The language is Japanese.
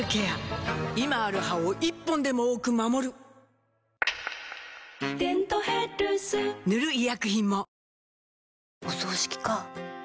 今ある歯を１本でも多く守る「デントヘルス」塗る医薬品も